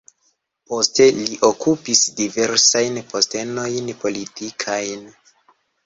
Poste li okupis diversajn postenojn politikajn.